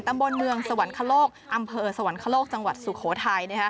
ตำบลเมืองสวรรคโลกอำเภอสวรรคโลกจังหวัดสุโขทัย